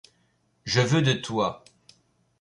Je veux de toi.